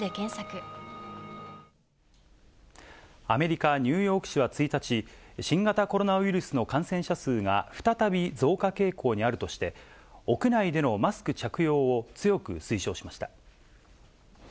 アメリカ・ニューヨーク市は１日、新型コロナウイルスの感染者数が再び増加傾向にあるとして、屋内でのマスク着用を強く推奨しました。